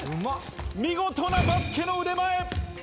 見事なバスケの腕前。